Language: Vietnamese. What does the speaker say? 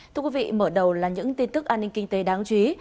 thưa quý vị mở đầu là những tin tức an ninh kinh tế đáng chú ý